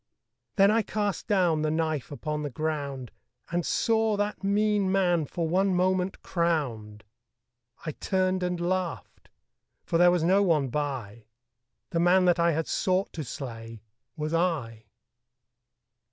Then I cast down the knife upon the ground And saw that mean man for one moment crowned. I turned and laughed: for there was no one by The man that I had sought to slay was I.